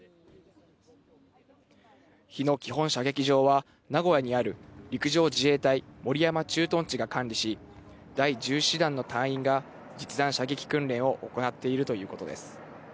日野基本射撃場は、名古屋にある陸上自衛隊守山駐屯地が管理し、第１０師団の隊員が実弾射撃訓練を行っているということです。